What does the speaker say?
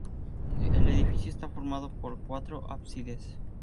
El edificio está formado por cuatro ábsides.